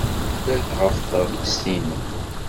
Tuggad ɣef tɣellist-nnem.